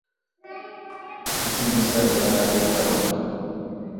اسیں مِثال تراویح کرؤں تُھوْ۔